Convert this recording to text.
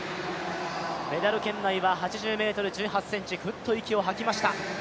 メダル圏内は８０ｍ１８ｃｍ、フッと息を吐きました。